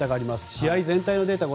試合全体のデータです。